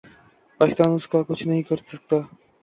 پاکستان اس کا کچھ نہیں کر سکتا۔